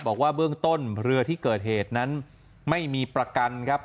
บอกว่าเบื้องต้นเรือที่เกิดเหตุนั้นไม่มีประกันครับ